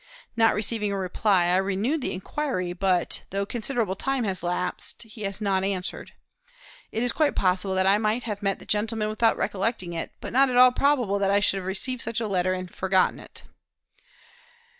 Not receiving a reply, I renewed the inquiry, but, though considerable time has elapsed, he has not answered. It is quite possible that I might have met the gentleman without recollecting it, but not at all probable that I should have received such a letter and have forgotten it.